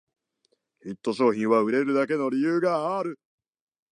ヒット商品は売れるだけの理由がある